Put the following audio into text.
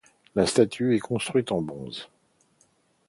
La statue est construite en bronze.